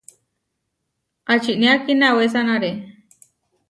¿Ačinía kinawésanare?